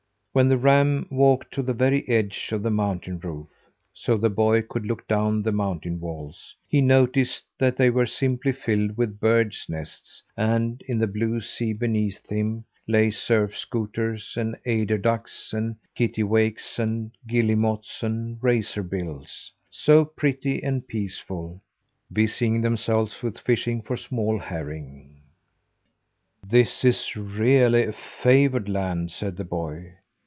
When the ram walked to the very edge of the mountain roof, so the boy could look down the mountain walls, he noticed that they were simply filled with birds' nests; and in the blue sea beneath him, lay surf scoters and eider ducks and kittiwakes and guillemots and razor bills so pretty and peaceful busying themselves with fishing for small herring. "This is really a favoured land," said the boy.